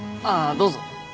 あぁどうぞ。